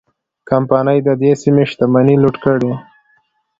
کمپنۍ د دې سیمې شتمنۍ لوټ کړې.